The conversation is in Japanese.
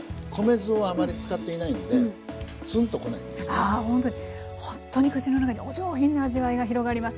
あほんとにほんとに口の中にお上品な味わいが広がります。